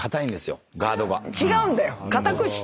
違うんだよ。